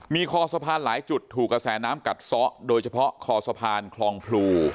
มีคอสะพานหลายจุดถูกกระแสน้ำกัดซะโดยเฉพาะคอสะพานคลองพลู